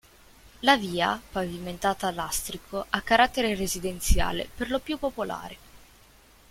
La via, pavimentata a lastrico, ha carattere residenziale, per lo più popolare.